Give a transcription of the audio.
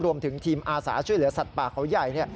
รวมถึงทีมอาสาช่วยเหลือสัตว์ป่าเขาใหญ่